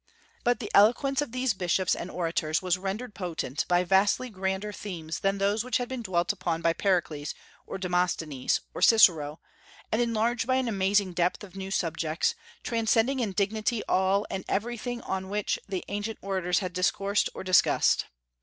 But the eloquence of these bishops and orators was rendered potent by vastly grander themes than those which had been dwelt upon by Pericles, or Demosthenes, or Cicero, and enlarged by an amazing depth of new subjects, transcending in dignity all and everything on which the ancient orators had discoursed or discussed.